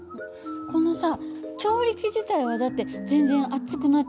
このさ調理器自体はだって全然熱くなってないのよ。